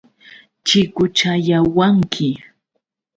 Chikuchayawanki.